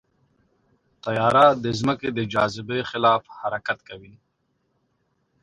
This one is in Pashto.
طیاره د ځمکې د جاذبې خلاف حرکت کوي.